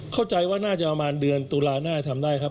เข้าใจว่าน่าจะประมาณเดือนตุลาหน้าทำได้ครับ